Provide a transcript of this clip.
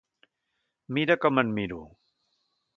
Mira com et miro.